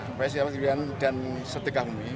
nah sumber jambe dan sedekah bumi